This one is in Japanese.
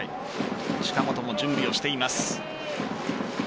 近本も準備をしています。